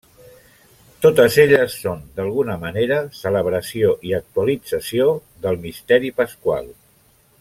Totes elles són, d'alguna manera, celebració i actualització del Misteri Pasqual.